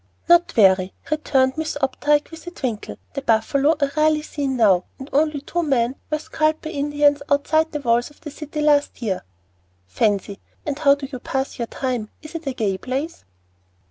"Not very," returned Miss Opdyke, with a twinkle. "The buffalo are rarely seen now, and only two men were scalped by the Indians outside the walls of the city last year." "Fancy! And how do you pass your time? Is it a gay place?"